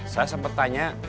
saya sempet tanya